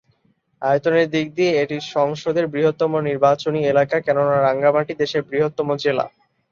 আয়তনের দিক দিয়ে এটি সংসদের বৃহত্তম নির্বাচনী এলাকা, কেননা রাঙ্গামাটি দেশের বৃহত্তম জেলা।